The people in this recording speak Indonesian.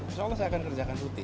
insya allah saya akan kerjakan tuti